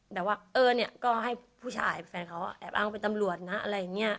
แต่ว่าเออเนี่ยก็ให้ผู้ชายแฟนเขาแอบอ้างเป็นตำรวจนะอะไรอย่างนี้